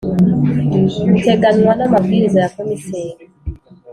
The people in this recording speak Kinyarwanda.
buteganywa n amabwiriza ya Komiseri